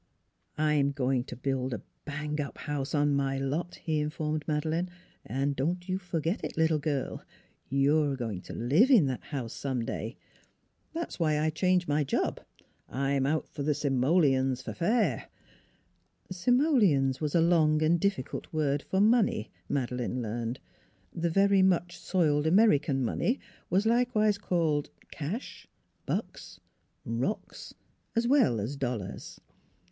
" I'm going to build a bang up house on my lot," he informed Madeleine. " And don't you forget it, little girl, you're going to live in that house some day. That's why I changed my job; I'm out for the simoleons for fair." " Simoleons " was a long and difficult word for money, Madeleine learned; the very much soiled American money was likewise called 2 6o NEIGHBORS " cash," " bucks," " rocks," as well as dollairs.